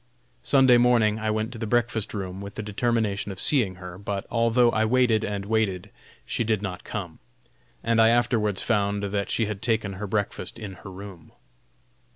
Sunday morning I went to the breakfast room with the determination of seeing her, but although I waited and waited, she did not come, and I afterwards found that she had taken her breakfast in her room.